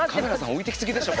置いていきすぎでしょ